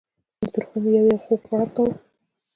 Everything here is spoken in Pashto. له ترخو مې یو یو خوږ غړپ کاوه.